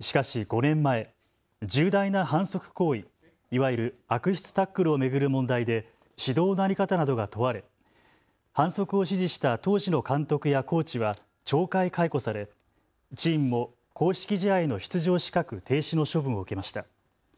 しかし５年前、重大な反則行為、いわゆる悪質タックルを巡る問題で指導の在り方などが問われ反則を指示した当時の監督やコーチは懲戒解雇されチームも公式試合への出場資格停止の処分を受けました。